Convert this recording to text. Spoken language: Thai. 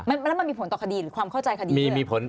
แล้วมันมีผลต่อคดีหรือความเข้าใจคดี